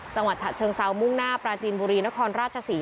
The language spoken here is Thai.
ฉะเชิงเซามุ่งหน้าปราจีนบุรีนครราชศรี